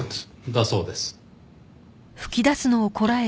だそうです。